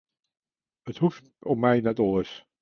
It hoecht om my net oars.